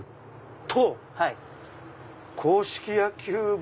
と。